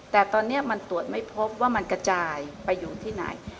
แต่ตอนนี้มันตรวจไม่พบว่ามันกระจายไปอยู่ที่ไหน